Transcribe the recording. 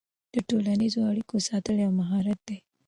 د ټولنیزو اړیکو ساتل یو مهارت دی.